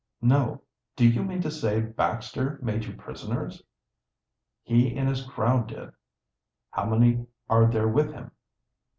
"No. Do you mean to say Baxter made you prisoners?" "He and his crowd did." "How many are there with him?"